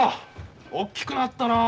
大きくなったなあ。